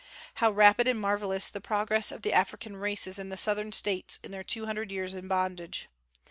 How rapid and marvellous the progress of the African races in the Southern States in their two hundred years of bondage!